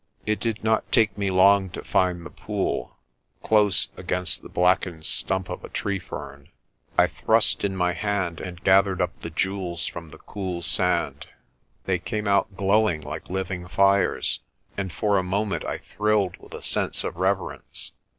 It did not take me long to find the pool, close against the blackened stump of a tree fern. I thrust in my hand and gathered up the jewels from the cool sand. They came out glowing like living fires, and for a moment I thrilled with a sense of reverence.